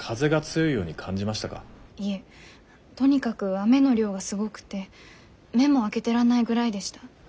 いえとにかく雨の量がすごくて目も開けてらんないぐらいでした。